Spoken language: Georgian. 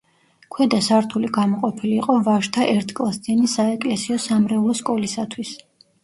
ქვედა სართული გამოყოფილი იყო ვაჟთა ერთკლასიანი საეკლესიო-სამრევლო სკოლისათვის.